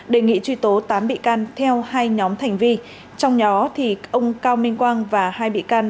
đề nghị truy tố tám bị can theo hai nhóm thành viên trong đó ông cao minh quang và hai bị can